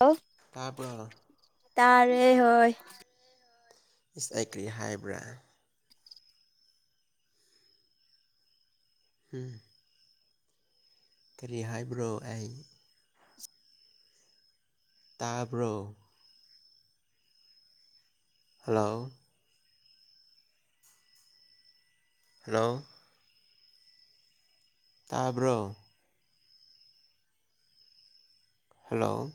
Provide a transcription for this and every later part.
ꯑꯣ ꯇꯥꯄ꯭ꯔ ꯇꯥꯔꯦ ꯍꯣꯏ ꯏꯁꯥꯏ ꯀ꯭ꯔꯤ ꯍꯥꯏꯕ꯭ꯔꯥ ꯎꯝ ꯀꯔꯤ ꯍꯥꯏꯕ꯭ꯔꯣ ꯑꯩ ꯇꯥꯕ꯭ꯔꯣ ꯍꯜꯂꯣ ꯍꯜꯂꯣ ꯇꯥꯕ꯭ꯔꯣ ꯍꯜꯂꯣ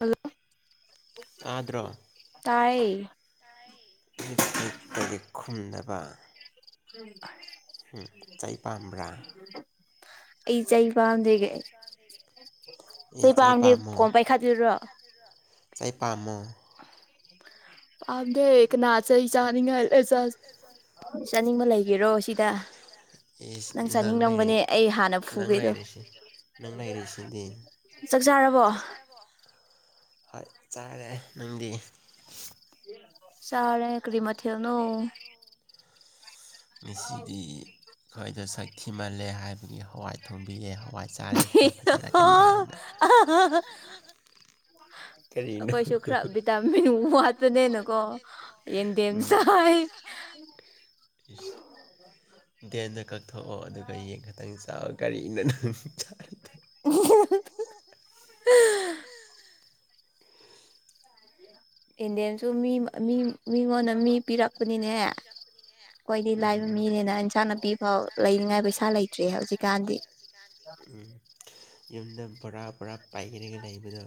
ꯍꯜꯂꯣ ꯇꯥꯏ ꯛꯇ ꯂꯤ ꯈꯨꯝꯗꯕ ꯎꯝ ꯎꯝ ꯆꯩ ꯄꯥꯝꯕ꯭ꯔꯥ ꯑꯩꯆ ꯑꯩ ꯄꯥꯝꯗꯦꯦ ꯑꯦ ꯆꯥꯏ ꯄꯥꯝꯗꯦ ꯄꯥ ꯐꯣꯟ ꯄꯥꯏꯈꯠꯂꯤꯔꯣ ꯆꯩ ꯇꯥꯃꯣ ꯑꯗ ꯍꯗ ꯑꯆ ꯆ ꯉꯗ ꯆ ꯃ ꯆꯥꯅꯤꯡꯕ ꯂꯩꯒꯦꯔꯣ ꯁꯤꯗ ꯑꯦ ꯅꯪ ꯂꯩꯔ ꯆꯥꯅꯤꯡꯂꯝꯒꯅꯤ ꯑꯩ ꯍꯥꯟꯅ ꯅꯪ ꯐꯨꯒꯦꯗꯣ ꯂꯩꯥꯏꯔꯁꯦ ꯅꯪ ꯆꯥꯛ ꯆꯥꯔꯕꯣ ꯂꯩꯔꯛꯏꯁꯤꯗꯤꯔꯕꯣ ꯍꯣꯏ ꯆꯥꯔꯦ ꯅꯪꯗꯤ ꯁꯥꯔꯦ ꯀꯔꯤ ꯃꯊꯅ ꯉꯁꯤꯗꯤ ꯑꯩꯈꯣꯏꯗ ꯁꯛ ꯊꯤꯍꯜꯂꯦ ꯍꯥꯏꯕꯒꯤ ꯍꯋꯥꯏ ꯊꯣꯡꯕꯤꯔꯦ ꯍꯋꯥꯏ ꯆꯥꯔꯗꯤ ꯈꯔ ꯍ ꯐꯖꯔꯛꯀꯅꯤ ꯍꯥꯏꯅ ꯑ ꯀꯔꯤꯅꯣ ꯑꯩꯈꯣꯏꯁꯨ ꯈꯔ ꯚꯤꯇꯥꯃꯤꯟ ꯋꯥꯠꯄꯅꯦꯅꯀꯣ ꯌꯦꯡꯗꯦꯝ ꯎꯝ ꯁꯥꯏ ꯎꯝ ꯏꯁ ꯗꯦꯟꯗ ꯀꯛꯊꯣꯛꯑꯣ ꯑꯗꯨꯒ ꯌꯦꯟ ꯈꯛꯇꯪ ꯆꯑꯣ ꯒꯥꯔꯤꯅ ꯅꯨꯡ ꯆ [unintelligible] ꯏꯟꯗꯤꯌꯟꯁꯨ ꯃꯤ ꯃꯤ ꯃꯤꯉꯣꯟꯗ ꯃꯤ ꯄꯤꯔꯛꯄꯅꯤꯅꯦ ꯑꯩꯈꯣꯏꯗꯤ ꯂꯥꯏꯕ ꯎꯝ ꯃꯤꯅꯤꯅ ꯏꯟꯁꯥꯡ ꯅꯥꯄꯤ ꯐꯥꯎ ꯂꯩꯅꯤꯡꯉꯥꯏ ꯄꯩꯁꯥ ꯂꯩꯇ꯭ꯔꯦ ꯍꯧꯖꯤꯛꯀꯥꯟꯗꯤ ꯎꯝ ꯌꯨꯝꯗ ꯕꯣꯔꯥ ꯕꯣꯔꯥ ꯄꯥꯏꯒꯅꯤꯒ ꯂꯩꯕꯗꯣ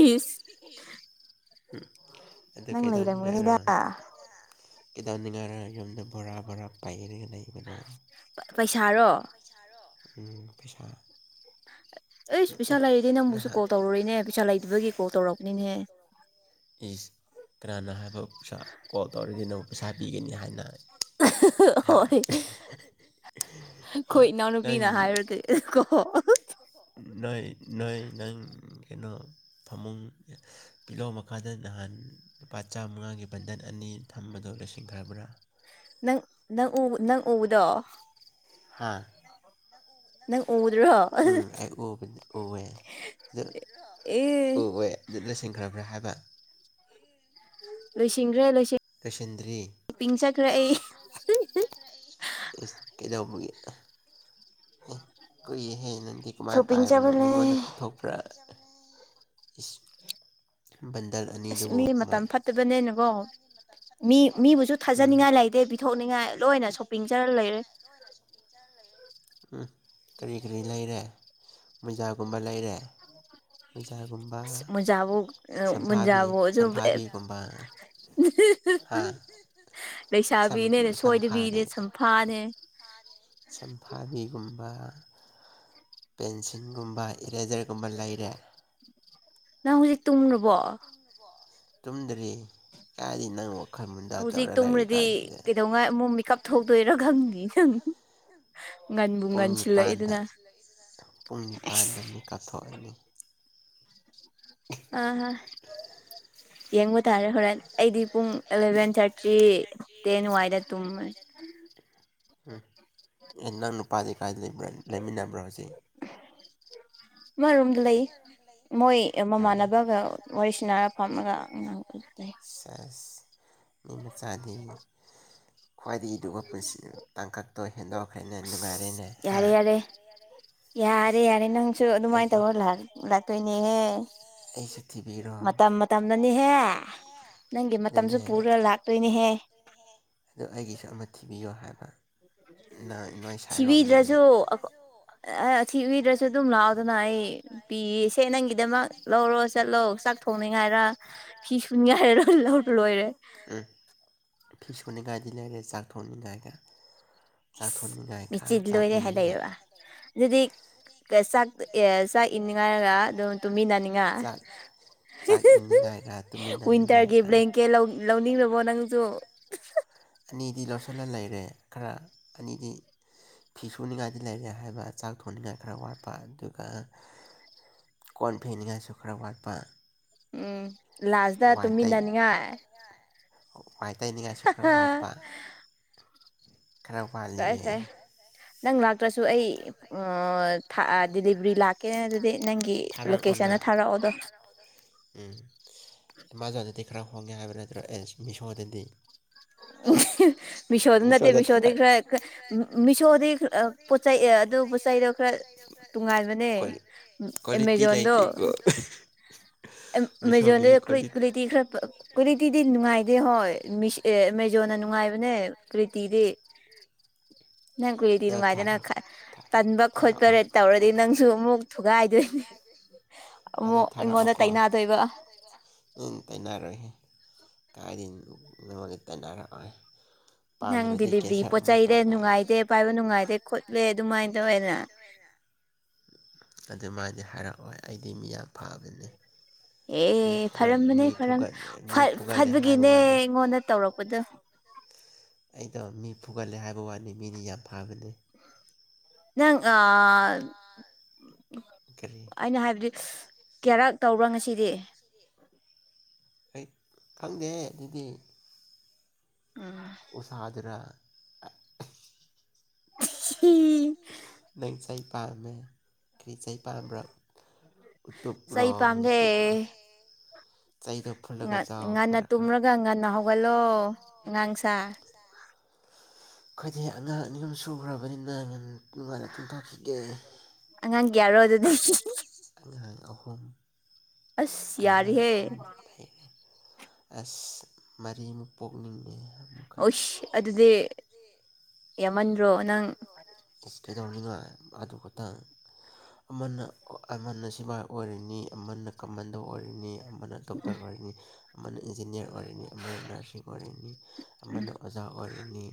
ꯎꯤꯁ ꯎꯝ ꯑ ꯅꯪ ꯀꯩꯗꯧꯅꯤꯡ ꯍꯥꯏꯥꯏꯔꯣ ꯂꯩꯔꯝꯒꯅꯤꯗ ꯀꯩꯗꯧꯅꯤꯡꯉꯥꯏꯔꯒ ꯌꯨꯝꯗ ꯕꯣꯔꯥ ꯕꯣꯔꯥ ꯄꯥꯏꯔꯒ ꯂꯩꯕꯅꯣ ꯄꯩꯁꯥꯔꯣ ꯎꯝ ꯄꯩꯁꯥ ꯑꯩ ꯄꯩꯁꯥ ꯂꯩꯔꯗꯤ ꯅꯪꯕꯨꯁꯨ ꯅꯍꯥꯟ ꯀꯣꯜ ꯇꯧꯔꯣꯏꯅꯦ ꯄꯩꯁꯥ ꯂꯩꯗꯕꯒꯤ ꯀꯣꯜ ꯇꯧꯔꯛꯄꯅꯤꯅꯦ꯫ ꯏꯁ ꯀꯅꯥꯅꯣ ꯍꯥꯏꯕ ꯄꯩꯁꯥ ꯀꯣꯜ ꯇꯧꯔꯗꯤ ꯅꯪ ꯄꯩꯁꯥ ꯄꯤꯒꯅꯤ ꯍꯥꯏꯅ ꯍꯥ ꯍꯣꯏ ꯑꯩꯈꯣꯏ ꯏꯅꯥꯎꯅꯨꯄꯤꯅ ꯍꯥꯏꯔꯨꯗꯤ ꯀꯣ ꯅꯥꯏ ꯅꯪ ꯀꯩꯅꯣ ꯐꯃꯨꯡ ꯄꯤꯂꯣ ꯃꯈ ꯃꯈꯥꯗ ꯅꯍꯥꯟ ꯂꯨꯄꯥ ꯆꯥꯝꯃꯉꯥꯒꯤ ꯕꯟꯗꯟ ꯑꯅꯤ ꯊꯝꯕꯗꯣ ꯂꯣꯏꯁꯤꯟꯈ꯭ꯔꯕ꯭ꯔꯥ ꯅꯪ ꯅꯪ ꯎ ꯅꯪ ꯎꯕꯗꯣ ꯍꯥꯥ ꯅꯪ ꯎꯗ꯭ꯔꯣ ꯎꯝ ꯑꯩ ꯑꯣ ꯑꯣꯦ ꯍꯍꯦ ꯑꯦ ꯑꯗꯨꯠ ꯂꯩꯁꯟꯈ꯭ꯔꯕ꯭ꯔꯥ ꯍꯥꯏꯕ ꯂꯣꯏꯁꯤꯡꯈ꯭ꯔꯦ ꯂꯣꯏꯁꯤꯡ ꯂꯣꯏꯁꯤꯟꯗ꯭ꯔꯤ ꯀꯩꯗꯧꯕꯒꯤ ꯑꯦ ꯀꯨꯏꯌꯦꯍꯦ ꯅꯪꯗꯤ ꯀꯃꯥꯏꯅ ꯁꯣꯄꯤꯡ ꯄꯥꯏꯕꯅꯣ ꯆꯠꯄꯅꯦ ꯃꯤꯉꯣꯟꯗ ꯄꯤꯊꯣꯛ ꯄꯨꯔꯥ ꯏ ꯟꯗ ꯑꯁ ꯃꯤ ꯃꯇꯝ ꯐꯠꯇꯕꯅꯦꯅꯀꯣ ꯃꯤ ꯃꯤꯕꯨꯁꯨ ꯎꯝ ꯊꯥꯖꯅꯤꯡꯉꯥꯏ ꯂꯩꯇꯦ ꯄꯤꯊꯣꯛꯅꯤꯡꯉꯥꯏ ꯂꯣꯏꯅ ꯁꯣꯄꯤꯡ ꯆꯔ ꯂꯩꯔꯦ ꯂꯣꯏꯅ ꯁꯣ ꯆꯔ ꯎꯝ ꯀꯔꯤ ꯀꯔꯤ ꯂꯩꯔꯦ ꯃꯣꯏꯖꯥꯒꯨꯝꯕ ꯂꯩꯔꯦ ꯃꯣꯏꯖꯥꯒꯨꯝꯕ ꯑꯁ ꯃꯨꯟꯖꯥꯕꯨ ꯁꯝꯐꯥꯕꯤ ꯁꯝꯐꯥꯕꯤꯒꯨꯝꯕ ꯍꯥ ꯁꯝ ꯂꯩꯁꯥꯕꯤꯅꯦꯅꯦ ꯁꯝꯐꯥꯅꯦ ꯁꯣꯏꯗꯕꯤꯅꯦ ꯁꯨꯝꯐꯥꯅꯦ ꯆꯝꯐꯥꯕꯤꯒꯨꯝꯕ ꯄꯦꯟꯁꯤꯜꯒꯨꯝꯕ ꯏꯔꯦꯖꯔꯒꯨꯝꯕ ꯂꯩꯔꯦ ꯅꯪ ꯍꯧꯖꯤꯛ ꯇꯨꯝꯕꯣ ꯇꯨꯝꯗ꯭ꯔꯤ ꯀꯥꯗꯤ ꯅꯪ ꯋꯥꯈꯜ ꯃꯨꯟꯗꯥ ꯍꯧꯖꯤꯛ ꯇꯧꯔ ꯇꯨꯝꯃ꯭ꯔꯗꯤ ꯂꯩꯔꯤꯀꯥꯟꯁꯤꯗ ꯀꯩꯗꯧꯉꯥꯏ ꯑꯃꯨꯛ ꯃꯦꯀꯞ ꯊꯣꯛꯗꯣꯏꯔꯣ ꯈꯪꯅꯤꯪ ꯄꯨꯡ ꯅꯤꯄꯥꯟꯗ ꯄꯨꯡ ꯑꯁ ꯅꯤꯄꯥꯟꯗ ꯃꯤ ꯀꯥꯞꯊꯣꯛꯑꯅꯤ ꯑꯥ ꯌꯦꯡꯕ ꯇꯥꯔꯦ ꯍꯣꯔꯦꯟ ꯑꯩꯗꯤ ꯄꯨꯡ ꯑꯦꯂꯚꯦꯟ ꯊꯥꯔꯇꯤ ꯆ ꯇꯅꯅꯨꯡ ꯋꯥꯏꯗ ꯇꯨ ꯎꯝ ꯑꯦ ꯅꯪ ꯅꯨꯄꯥꯗꯤ ꯀꯥꯏꯗ ꯂꯩꯕ꯭ꯔꯥ ꯂꯩꯃꯤꯟꯅꯕ꯭ꯔꯣ ꯍꯧꯖꯤꯛ ꯃꯥ ꯔꯣꯝ ꯂꯩ ꯃꯣꯏ ꯎꯝ ꯃꯃꯥꯟꯅꯕꯒ ꯋꯥꯔꯤꯁꯤꯅꯥꯔ ꯐꯝꯃꯒ ꯑꯉꯥꯡ ꯂꯩ ꯆꯁ ꯃꯤ ꯃꯆꯥꯗꯤ ꯈ꯭ꯋꯥꯏꯗꯒꯤꯗꯨ ꯄꯨꯟꯁꯤ ꯇꯥꯡꯀꯛꯇꯣ ꯍꯦꯟꯗꯣꯛꯈ꯭ꯔꯦꯅꯦ ꯅꯨꯡꯉꯥꯏꯔꯦꯅꯦ ꯑꯁ ꯑ ꯌꯥꯔꯦ ꯌꯥꯔꯦ ꯌꯥꯔꯦ ꯌꯥꯔꯦ ꯅꯪꯁꯨ ꯑꯗꯨꯃꯥꯏꯅ ꯇꯧꯔ ꯂꯥꯛꯇꯣꯏꯅꯦꯍꯦ ꯑꯩꯁꯨꯛꯇꯤꯕꯤꯔꯣ ꯃꯇꯝ ꯃꯇꯝꯗꯅꯤꯍꯦ ꯅꯪꯒꯤ ꯃꯇꯝꯁꯨ ꯑꯗꯨꯅꯦ ꯄꯨꯔ ꯂꯥꯛꯇꯣꯏꯅꯦꯍꯦ ꯑꯗ ꯑꯩꯒꯤꯁꯨ ꯑꯃ ꯊꯤꯕꯤꯌꯣ ꯍꯥꯏꯕ ꯅꯪ ꯅꯣꯏ ꯁꯥꯏꯔꯣꯝꯗꯒꯤ ꯊꯤꯕꯤꯗ꯭ꯔꯁꯨ ꯊꯤꯕꯤꯗ꯭ꯔꯁꯨ ꯑꯗꯨꯝ ꯂꯥꯛꯗꯅ ꯑꯩ ꯄꯤꯌꯦꯁꯦ ꯅꯪꯒꯤꯗꯃꯛ ꯂꯧꯔꯣ ꯆꯠꯂꯣ ꯆꯥꯛ ꯁꯣꯡꯅꯤꯉꯥꯏꯔ ꯍꯤ ꯁꯨꯅꯤꯡꯉꯥꯏꯔ ꯂꯧꯧꯕ ꯂꯣꯏꯔꯦ ꯐꯤꯁꯣꯟꯅꯤꯒꯒꯥꯗꯤ ꯂꯩꯔꯦ ꯆꯥꯛ ꯊꯣꯟꯅꯤ ꯀꯥꯏꯒ ꯆꯥꯛ ꯊꯣꯡꯅꯤꯡꯉꯥꯏ ꯈ ꯃꯦꯆꯤꯟ ꯆꯥꯛ ꯂꯣꯏꯔꯦ ꯍꯥꯏ ꯏꯅꯤꯡꯉꯥꯏ ꯂꯩꯔꯕ ꯑꯗꯨꯗꯤ ꯆꯥꯛ ꯑꯦ ꯆꯥꯛ ꯏꯅꯤꯡꯉꯥꯏꯔꯒ ꯑꯗꯨꯝ ꯇꯨꯝꯃꯤꯟꯅꯅꯤꯡꯉ ꯆꯥꯛ ꯆꯥꯛ ꯏꯟꯅꯤꯡꯉꯥꯏꯔ ꯋꯤꯟꯇꯔꯒꯤ ꯇꯨꯃꯤꯟꯅꯅꯤꯡꯉꯥꯏꯔ ꯕ꯭ꯂꯦꯡꯀꯦꯠ ꯂꯧꯅꯤꯡꯉꯕꯣ ꯅꯪꯁꯨ ꯑꯅꯤꯗꯤ ꯂꯧꯁꯤꯜꯂ ꯂꯩꯔꯦ ꯈꯔ ꯑꯅꯤꯗꯤ ꯐꯤ ꯁꯨꯅꯤꯡꯉꯥꯏꯗꯤ ꯂꯩꯔꯦ ꯍꯥꯏꯕ ꯆꯥꯛ ꯊꯣꯡꯅꯤꯡꯉꯥꯏ ꯈꯔ ꯋꯥꯠꯄ ꯑꯗꯨꯒ ꯀꯣꯟꯐꯦꯟꯒꯁꯨ ꯈꯔ ꯋꯥꯠꯄ ꯎꯝ ꯂꯥꯁꯗ ꯋꯥꯏ ꯇꯩ ꯇꯨꯃꯤꯟꯅꯅꯤꯡꯉꯥꯏ ꯋꯥꯏ ꯇꯅꯤꯡꯉꯥꯏꯁꯨ ꯈꯔ ꯋꯥꯠꯄ ꯈꯔ ꯐꯔꯦ ꯋꯥꯠꯂꯤꯌꯦ ꯐꯔꯦ ꯅꯪ ꯂꯥꯛꯇ꯭ꯔꯁꯨ ꯑꯩ ꯗꯦꯂꯤꯚꯔꯤ ꯂꯥꯛꯀ ꯀ ꯑꯗꯨꯗꯤ ꯅꯪꯒꯤ ꯊꯥꯔꯛꯑꯣꯅ ꯂꯣꯀꯦꯁꯟꯅ ꯊꯥꯔꯛꯑꯣꯗꯣ ꯎꯝ ꯑꯦꯃꯥꯖꯣꯟꯗꯗꯤ ꯈꯔ ꯍꯣꯡꯉꯦ ꯍꯥꯏꯕ ꯅꯠꯇ꯭ꯔꯣ ꯑꯦ ꯃꯤꯁꯣꯗꯗꯤ ꯃꯤꯁꯣꯗꯨ ꯅꯠꯇ ꯃꯤꯁꯣꯗ ꯈ ꯃꯤꯁꯣꯗ ꯄꯣꯠ ꯆꯩꯩ ꯑꯗꯨ ꯄꯣꯠ ꯆꯩꯗꯣ ꯈꯔ ꯇꯣꯉꯥꯟꯕꯅꯦ ꯀ꯭ꯋꯥꯂꯤ ꯎ ꯀ꯭ꯋꯥꯂꯤꯇꯤ ꯑꯦꯃꯦꯖꯣꯟꯣꯟꯗꯣ ꯂꯩꯇꯦꯀꯣ ꯑꯃꯥꯖꯣꯟꯗꯨ ꯀ꯭ꯋꯥꯂꯤꯇꯤ ꯈꯔ ꯀ꯭ꯋꯥꯂꯤꯇꯤꯗꯤ ꯅꯨꯡꯉꯥꯏꯇꯦ ꯍꯣꯏ ꯌꯣꯟꯅ ꯅꯨꯡꯉꯥꯏꯕꯅꯦ ꯀꯨꯔꯤꯇꯤꯗꯤ ꯅꯪ ꯀꯨꯏꯔꯤꯇꯤ ꯑꯗꯣ ꯅꯨꯡꯉꯥꯏꯗꯅ ꯊꯥꯔꯛ ꯊꯥꯔꯛ ꯄꯟꯕ ꯈꯣꯠꯄ ꯊꯥꯔꯛꯑꯣ ꯇꯧꯔꯗꯤ ꯅꯪꯁꯨ ꯑꯃꯨꯛ ꯊꯨꯒꯥꯏꯗꯣꯏꯅꯦ ꯑꯃ ꯑꯗꯣ ꯑꯩꯉꯣꯟꯗ ꯇꯩꯅꯅꯥꯗꯣꯏꯕ ꯇꯩꯅꯅꯔꯣꯏ ꯀꯥꯏꯗ ꯅꯉꯣꯟꯒꯤ ꯇꯩꯅꯅꯔꯛꯑꯣꯏ ꯅꯪ ꯄꯥꯟꯗ꯭ꯔꯗꯤ ꯗꯤꯂꯤꯚꯔꯤ ꯀꯦꯟꯁꯔ ꯄꯣꯠ ꯑꯃꯨꯛ ꯆꯩꯗ ꯇꯧ ꯇꯥꯔꯦ ꯅꯨꯡꯉꯥꯏꯇꯦ ꯅꯨꯡꯉꯥꯏꯇꯦ ꯄꯥꯏꯕ ꯈꯣꯠꯂꯦ ꯅꯨꯡꯉꯥꯏꯇꯦ ꯑꯗꯨꯃꯥꯏꯅ ꯈꯣꯠꯇꯦ ꯇꯧꯋꯦꯅ ꯑꯗꯨꯃꯥꯏꯅꯅ ꯑꯗꯨꯃꯥꯏꯅ ꯍꯥꯏꯔꯛꯑꯣꯏ ꯑꯩꯗꯤ ꯃꯤꯌꯥꯝ ꯐꯥꯕꯅꯤ ꯃꯤ ꯑꯦ ꯃꯤ ꯐꯔꯝꯕꯅꯦ ꯐꯔꯝ ꯃꯤ ꯐꯨꯒꯠꯂꯦ ꯍꯥꯏꯕ ꯐꯠꯕꯒꯤꯅꯦ ꯋꯥꯅꯤ ꯑꯩꯉꯣꯟꯗ ꯇꯧꯔꯛꯄꯗꯣ ꯑꯩꯗꯣ ꯃꯤ ꯐꯨꯒꯠꯂꯦ ꯍꯥꯏꯕ ꯋꯥꯅꯤ ꯃꯤꯅꯤ ꯌꯥꯝ ꯐꯕꯅꯤ ꯅꯪ ꯀꯔꯤ ꯑꯩꯅ ꯍꯥꯏꯕꯗꯤ ꯀꯦꯔꯛ ꯇꯧꯕ꯭ꯔꯥ ꯉꯁꯤꯗꯤ ꯑꯩ ꯈꯪꯗꯦ ꯑꯗꯨꯗꯤ ꯎꯝ ꯁꯥꯥꯗꯔ ꯅꯪ ꯆꯩꯩ ꯄꯥꯝꯃꯦ ꯈ꯭ꯔꯤ ꯆꯩꯩ ꯄꯥꯥ ꯎꯇꯣꯄ ꯔ ꯆꯩ ꯄꯥꯝꯗꯦ ꯑꯅꯨꯇꯣꯞ ꯆꯥꯏꯗ ꯉꯟꯅ ꯇꯨꯝꯔꯒ ꯉꯟꯅ ꯍꯧꯒꯠꯂꯣ ꯑꯉꯥꯡꯁ ꯆ ꯑꯩꯈꯣꯏꯗꯤ ꯑꯉꯥꯡ ꯑꯅꯤ ꯑꯍꯨꯝ ꯁꯨꯈ꯭ꯔꯕꯅꯤꯅ ꯉ ꯅꯨꯡꯉꯥꯏꯅ ꯇꯨꯡꯊꯣꯛꯈꯤꯒꯦ ꯑꯉꯥꯡ ꯌꯥꯌꯥꯔꯣ ꯑꯗꯨ ꯑꯍꯣ ꯑꯁ ꯑꯥꯉꯥ ꯌꯥꯔꯤꯍꯦ ꯌꯔꯤꯍꯦ꯫ ꯑꯁ ꯃꯔꯤꯃꯨꯛ ꯄꯣꯛꯅꯤꯡꯉꯦ ꯑꯣꯁ ꯑꯗꯨꯗꯤ ꯌꯥꯝꯃꯟꯗ꯭ꯔꯣ ꯅꯪ ꯏꯁꯀꯩꯗꯧꯅꯤꯉꯥꯏ ꯑꯗꯨ ꯈꯛꯇꯪ ꯑꯃꯅ ꯑꯃꯅ ꯁꯤꯐꯥꯏ ꯑꯣꯏꯔꯤꯅꯤ ꯑꯃꯅ ꯀꯝꯃꯟꯗ ꯑꯣꯏꯔꯤꯅꯤ ꯑꯌꯥꯝꯕꯅ ꯗꯣꯛꯇꯔ ꯑꯣꯏꯔꯤꯅꯤ ꯑꯃꯅ ꯏꯟꯖꯤꯅꯤꯌꯥꯔ ꯑꯣꯏꯔꯅꯤ ꯑꯃꯅ ꯅꯔꯁꯤꯡ ꯑꯣꯏꯔꯅꯤ ꯑꯃꯅ ꯑꯣꯖꯥ ꯑꯣꯏꯔꯤꯅꯤ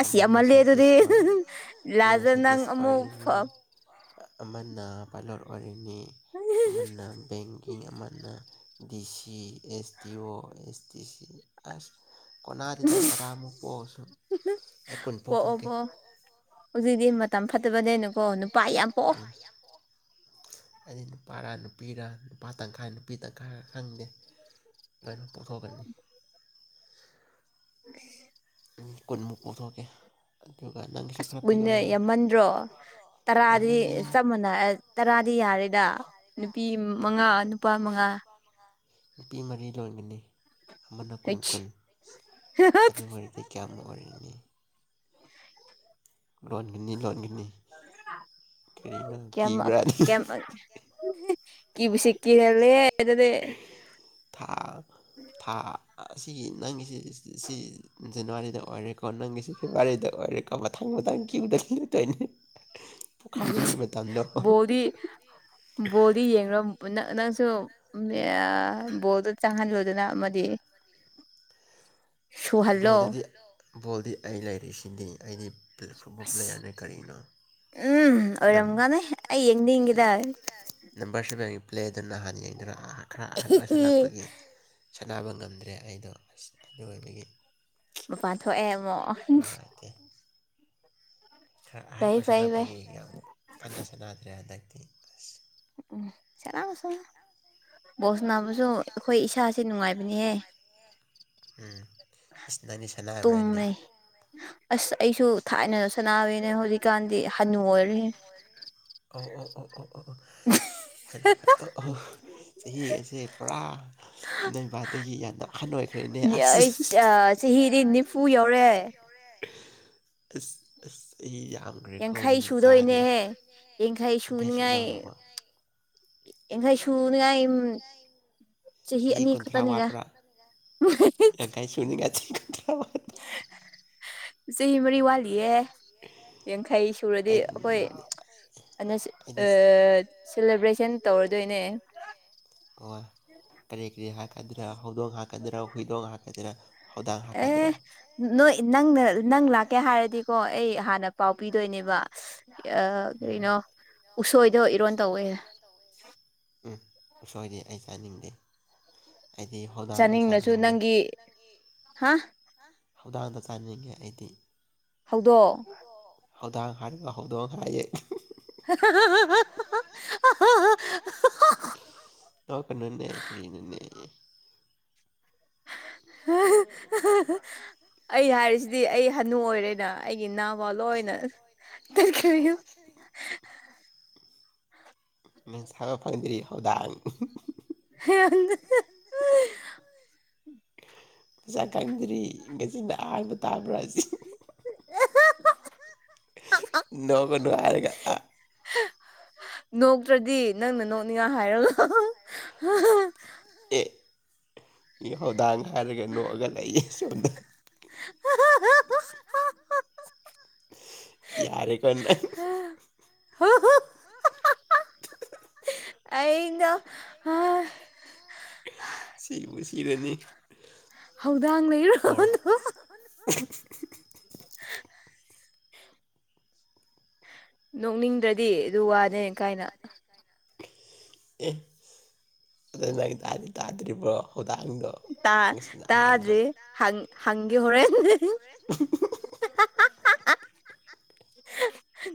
ꯑꯁꯤ ꯑꯃꯅꯤꯂ ꯑꯗꯨꯗꯤ ꯑꯃꯅ ꯂꯥꯗ ꯅꯪ ꯁꯥꯏꯟꯇꯤꯁ ꯑꯃꯨꯛ ꯑꯣꯏꯔꯅꯤ ꯑꯃꯅ ꯄꯥꯏꯂꯣꯠ ꯑꯣꯏꯔꯤꯅꯤ ꯑꯃꯅ ꯕꯦꯡꯀꯤꯡ ꯑꯃꯅ ꯗꯤ ꯁꯤ ꯑꯦꯁ ꯗꯤ ꯑꯣ ꯑꯦꯁ ꯗꯤ ꯁꯤ ꯑꯁ ꯀꯣꯅꯥꯗꯨꯗ ꯇꯔꯥꯃꯨꯛ ꯄꯣꯛꯑꯁꯨ ꯑꯩ ꯀꯨꯟ ꯄꯣꯛꯊꯣꯛꯀꯦ ꯍꯧꯖꯤꯛꯇꯗꯤꯤ ꯃꯇꯝ ꯐꯠꯇꯕꯅꯦꯅꯀꯣ ꯅꯨꯄꯥ ꯌꯥꯝ ꯄꯣꯛꯑꯣ ꯃꯥꯏ ꯍꯥꯏꯗꯤ ꯅꯨꯄꯥꯔꯥ ꯅꯨꯄꯤꯔ ꯅꯨꯄꯥ ꯇꯪꯈꯥꯏ ꯅꯨꯄꯤ ꯇꯪꯈꯥꯏꯔ ꯈꯪꯗꯦ ꯀꯣꯏꯅꯣ ꯄꯥꯡꯊꯣꯛꯀꯅꯤ [inaudible] ꯀꯨꯟꯃꯨꯛ ꯄꯨꯊꯣꯛꯀꯦ ꯑꯗꯨꯒꯒꯅꯪ ꯑꯁ ꯀꯨꯏꯟꯅ ꯌꯥꯝꯃꯟꯗ꯭ꯔꯣ ꯇꯔꯥꯗꯤ ꯌꯥꯝꯃꯟꯗꯦ ꯆꯞ ꯃ ꯇꯔꯥꯗꯤ ꯌꯥꯔꯦꯗ ꯅꯨꯄꯤ ꯃꯉꯥ ꯅꯨꯄꯥ ꯃꯉꯥ ꯅꯨꯄꯤ ꯃꯔꯤ ꯂꯣꯟꯒꯅꯤ ꯑꯃꯅ ꯀꯨꯟ ꯀꯨꯟ ꯀꯌꯥꯝ ꯑꯗꯨ ꯑꯣꯏꯔꯗꯤ ꯀꯌꯥꯝ ꯑꯣꯏꯅꯤ ꯂꯣꯟꯒꯅꯤ ꯂꯣꯟꯒꯅꯤ ꯀꯔꯤꯅꯣ ꯀꯤꯕ꯭ꯔꯥꯅꯤ ꯀ ꯁ ꯀ ꯍꯥꯏꯂꯦꯇꯥ ꯊꯥ ꯊꯥ ꯑꯁꯤꯒꯤ ꯅꯪꯒꯤꯁꯤ ꯁꯤ ꯖꯅꯋꯥꯔꯤꯗ ꯑꯣꯏꯔꯦꯀꯣ ꯅꯪꯒꯤꯁꯦ ꯐꯦꯕꯋꯥꯔꯤꯗ ꯑꯣꯏꯔꯦꯀꯣ ꯃꯊꯪ ꯃꯊꯪ ꯀ꯭ꯌꯨꯗ ꯂꯠꯇꯣꯏꯅꯦ ꯄꯣꯛꯈꯥꯏꯕꯒꯤ ꯃꯇꯝꯗꯣ ꯕꯣꯗꯤ ꯌꯦꯡ ꯅ ꯅꯪꯁꯨ ꯕꯣꯜꯗꯣ ꯆꯪꯍꯜꯂꯣꯏꯗꯅ ꯑꯃꯗꯤ ꯁꯨꯍꯜꯂꯣ ꯕꯣꯜꯗꯗꯤ ꯕꯣꯜꯗꯤ ꯑꯩ ꯂꯩꯔꯤꯁꯤꯗꯤ ꯑꯩꯗꯤ ꯐꯨꯠꯕꯣꯜ ꯄ꯭ꯂꯦꯌꯥꯔꯅꯦ ꯀꯔꯤꯅꯣ ꯎꯝ ꯅꯪ ꯑꯣꯏꯔꯝꯒꯅꯦ ꯑꯩ ꯌꯦꯡꯅꯤꯡꯈꯤꯦꯗ ꯅꯝꯕꯔ ꯁꯕꯦꯟꯒꯤ ꯄ꯭ꯂꯦꯗꯨ ꯅꯍꯥꯟ ꯌꯦꯡꯗꯨꯅ ꯈꯔ ꯑꯍꯟ ꯑꯣꯏꯁꯜꯂꯛꯄꯒꯤ ꯁꯥꯟꯅꯕ ꯉꯝꯗ꯭ꯔꯦ ꯑꯩꯗꯣ ꯑꯁ ꯑꯗꯨ ꯑꯣꯏꯕꯒꯤ ꯃꯄꯥꯟ ꯊꯣꯛꯑꯦ ꯑꯃꯨꯛ ꯎꯦ ꯈꯔ ꯑꯍꯟ ꯐꯩ ꯐꯩ ꯐꯩ ꯑꯣꯏꯁꯜꯂꯛꯄꯒꯤ ꯌꯥꯝ ꯀꯟꯅ ꯁꯥꯟꯅꯗ꯭ꯔꯦ ꯍꯟꯗꯛꯇꯤ ꯑꯁ ꯎꯝ ꯆꯠꯁ ꯑꯣꯁꯅꯕꯁꯨ ꯏꯁꯥꯁꯦ ꯑꯩꯈꯣꯏ ꯏꯁꯁꯨ ꯅꯨꯡꯉꯥꯏꯕꯅꯦꯍꯦ ꯅꯨꯡꯉꯥꯏꯕꯅꯦꯍ‌ꯦ ꯏꯁꯅ ꯑꯅꯤ ꯁꯥꯟꯅ ꯍꯥꯏꯕ꯭ꯔ ꯍꯥꯏꯅꯦ ꯇꯨꯝꯃꯦ ꯑꯁ ꯑꯩꯁꯨ ꯑꯁ ꯊꯥꯏꯅ ꯑꯩꯁꯨ ꯊꯥꯏꯅꯗ ꯁꯅꯥꯕꯅꯦ ꯁꯥꯟꯂꯕꯅꯤꯅ ꯍꯧꯖꯤꯛꯀꯥꯟꯗꯤ ꯍꯅꯨ ꯍꯧꯣꯖꯤꯛꯀꯥꯟꯗꯤ ꯑꯣꯏꯔꯦ ꯍꯅꯨ ꯑꯣꯏꯔꯅꯤ ꯑꯣ ꯑꯣ ꯑꯣ ꯑꯣ ꯑꯣ ꯆꯍꯤ ꯑꯁꯦ ꯄꯨꯔꯥ ꯅꯩꯕꯥꯗꯒꯤ ꯌꯥꯝꯅ ꯑꯍꯟ ꯑꯣꯏꯈ꯭ꯔꯦꯅꯦ ꯑꯁ ꯑꯩ ꯆꯍꯤꯗꯤ ꯅꯤꯐꯨ ꯌꯧꯔꯦ ꯑꯦ ꯏ ꯌꯥꯝ ꯭ꯔꯦ ꯀꯣꯃꯤ ꯌꯥꯡꯈꯩ ꯃ ꯆꯥꯗꯦ ꯁꯨꯗꯣꯏꯅꯦꯍꯦ ꯌꯥꯡꯈꯩ ꯀꯩꯁꯨ ꯇꯧꯔꯕ ꯑꯦꯡꯈꯥꯏ ꯁꯨꯅꯉ ꯆꯍꯤ ꯑꯅꯤ ꯈꯛꯇꯅꯤꯒ ꯁꯅꯤꯒꯁꯤ ꯀꯗꯣ ꯃꯔꯤ ꯋꯥ ꯁꯤꯤ ꯑꯦ ꯌꯥꯡꯈꯩ ꯁꯨꯔꯗꯤ ꯑꯩ ꯑꯩꯈꯣꯏ ꯑꯩꯗꯤ ꯁꯦꯂꯦꯕ꯭ꯔꯦꯁꯟ ꯇꯧꯔꯗꯣꯏꯅꯦ ꯑꯣ ꯀꯔꯤ ꯀꯔꯤ ꯍꯥꯀꯗꯔꯥ ꯍꯧꯗꯣꯡ ꯍꯥꯀꯗ꯭ꯔꯥ ꯍꯨꯏꯗꯣꯡ ꯍꯥꯥꯛꯀꯗꯔꯥ ꯑꯦ ꯅꯣꯏ ꯅꯪꯅ ꯅꯪ ꯂꯥꯛꯀꯦ ꯍꯥꯏꯔꯗꯤꯀꯣ ꯑꯩ ꯍꯥꯟꯅ ꯄꯥꯎ ꯄꯤꯗꯣꯏꯅꯦꯕ ꯀꯩꯅꯣ ꯎꯝ ꯎꯁꯣꯏꯗꯣ ꯏꯔꯣꯟ ꯇꯧꯋꯦ ꯎꯝ ꯑꯁꯣꯏꯗꯤ ꯑꯩ ꯆꯥꯅꯤꯡꯗꯦ ꯑꯩꯗꯤ ꯍꯧꯧꯗꯥꯡꯗ ꯆꯥꯅꯤꯡꯅꯁꯨ ꯆꯥꯅꯤꯡꯗꯦ ꯅꯪꯒꯤ ꯍꯥ ꯊꯧꯗꯥꯡꯗ ꯆꯥꯅꯤꯡꯉꯦ ꯑꯩꯗꯤ ꯍꯧꯗꯣ ꯊꯧꯗꯥꯡ ꯍꯥꯏꯔꯒ ꯍꯧꯗꯣꯡ ꯍꯥꯏꯌꯦꯦ ꯍꯥ ꯍꯥ ꯍꯥ ꯑ ꯀꯅꯦ ꯀꯅꯅꯦ ꯍ ꯑꯩ ꯍꯥꯏꯔꯤꯁꯤꯗꯤ ꯑꯩ ꯍꯅꯨ ꯑꯣꯏꯔꯦꯅ ꯑꯩꯒꯤ ꯏꯅꯥꯕ ꯂꯣꯏ ꯑꯣꯏꯅ ꯑꯩꯈꯔꯤ ꯎ ꯃꯦꯟꯁꯥꯕ ꯐꯪꯗ꯭ꯔꯤ ꯍꯧꯗꯥꯡ [inaudible] ꯄꯩꯁꯥ ꯀꯪꯗ꯭ꯔꯤꯒꯖꯤꯅ ꯑꯍꯥꯟꯕ ꯇꯥꯕ꯭ꯔꯥ ꯁꯤ ꯅꯧꯕ ꯅꯨꯡꯋꯥꯔꯒ ꯑ ꯅꯣꯛꯇ꯭ꯔꯗꯤ ꯅꯪꯅ ꯅꯣꯛꯅꯤꯡꯉ ꯍꯥꯏꯔꯣ ꯏꯊꯧꯧꯗꯥꯡ ꯍꯥꯏꯔꯒ ꯅꯣꯛꯑꯒ ꯂꯩꯌꯦꯦ ꯁꯣꯝꯗ ꯍ ꯌꯥꯔꯦ ꯀꯅ ꯍꯦ ꯍ ꯑꯩꯗ ꯁꯤꯕꯨ ꯁꯤꯔꯅꯤ ꯍꯧꯗꯪ ꯂꯩ ꯏꯔꯣ ꯍ ꯎꯝ ꯅꯣꯛꯅꯤꯡꯗ꯭ꯔꯗꯤ ꯑꯗꯨ ꯋꯥꯅꯦꯅ ꯀꯥꯏꯅ ꯑꯦ ꯑꯗꯨ ꯅꯪ ꯇꯥꯗ꯭ꯔꯤꯕ꯭ꯔꯣ ꯍꯧꯗꯥꯡꯗꯣ ꯇꯥ ꯉꯁꯤꯅ ꯑꯍꯥꯟꯕ ꯇꯥꯗ꯭ꯔꯤ ꯍꯪ ꯍꯪꯦ ꯍꯣꯔꯦꯟ ꯍ ꯍꯣꯏ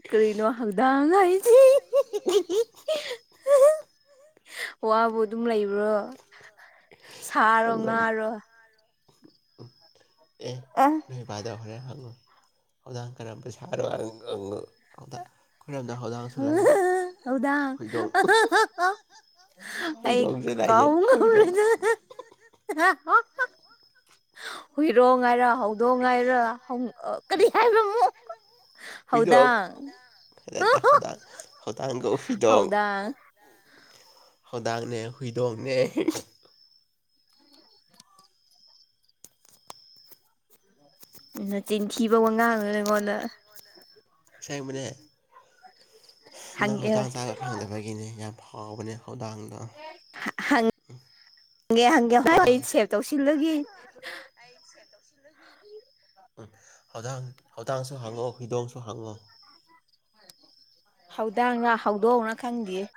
ꯀꯔꯤꯅꯣ ꯍꯪꯗꯥꯥꯡ ꯍꯥꯏꯁꯤ ꯋꯥꯕꯨ ꯑꯗꯨꯝ ꯂꯩꯕ꯭ꯔꯣ ꯁꯥꯔꯣ ꯍꯪꯒ ꯉꯥꯔꯣ ꯎꯝ ꯑꯩꯣꯏ ꯏꯄꯥꯗ ꯍꯣꯔꯦꯟ ꯍꯪꯉꯨ ꯍꯧꯧꯗꯥꯡ ꯀꯔꯝꯕ ꯁꯥꯔꯣ ꯍꯪꯉꯨ ꯍꯧꯗꯥꯡ ꯑꯩꯈꯣꯏꯔꯣꯝꯗ ꯍꯧꯗꯥꯡꯁꯨ ꯂꯩꯌꯦ ꯍꯗ ꯍꯨꯏꯗꯣꯡ ꯑꯩ ꯍꯨꯏꯗꯣꯡꯁꯨ ꯀ ꯂꯩꯌꯦ ꯍꯨꯏꯗꯣꯡ ꯍꯨꯏꯔꯣ ꯉꯥꯏꯔ ꯍꯧꯗꯣꯡ ꯉꯥꯏꯔ ꯀꯔꯤ ꯍꯥꯏꯕꯣ ꯍꯥꯎꯗ ꯍꯨꯏꯗꯣꯡ ꯍꯧꯗꯥꯡ ꯍ‌ꯦꯔꯗ ꯍꯧꯗꯥꯡꯒ ꯐꯤꯗꯣꯡ ꯍꯧꯗꯥꯡ ꯍꯧꯧꯗꯡꯅꯦ ꯍꯨꯏꯗꯣꯡꯅꯦ ꯎ ꯅ ꯆꯤꯟꯊꯤꯕ ꯋꯥ ꯉꯥꯡꯅ ꯅ ꯑꯩꯉꯣꯟꯗ ꯏꯁꯩꯕꯅꯦ ꯅꯪ ꯍ‌ꯣꯗꯥ ꯍꯪꯒꯦ ꯆꯥ ꯐꯪꯗꯕꯒꯤꯅꯦ ꯌꯥꯝ ꯍꯥꯎꯕꯅꯦ ꯊꯧꯗꯥꯡꯗꯣ ꯍꯪꯒꯦ ꯍꯪꯒꯦ ꯍꯣꯏ ꯑꯩ ꯁꯦꯚ ꯇꯧꯁꯤꯜꯂꯒ ꯑꯩ ꯁꯦꯠꯗꯧꯁꯤꯟꯂꯒ ꯎꯝ ꯍꯧꯗꯥꯡ ꯍꯧꯧꯗꯥꯡꯁꯨ ꯍꯪꯉꯑꯣ ꯍꯤꯗꯣꯡꯁꯨ ꯍꯪꯉꯑꯣ ꯍꯧꯧꯗꯥꯡꯅ ꯍꯧꯗꯣꯡꯅ ꯈꯪꯗꯦ